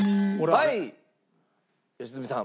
はい良純さん。